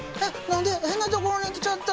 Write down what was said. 変なところに来ちゃった！